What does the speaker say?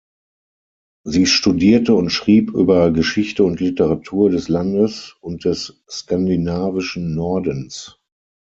Sie studierte und schrieb über Geschichte und Literatur des Landes und des skandinavischen Nordens.